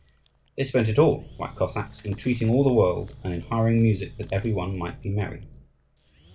They spent it all, like Cossacks, in treating all the world, and in hiring music that every one might be merry.